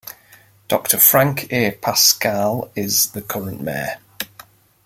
Doctor Frank A. Pasquale is the current mayor.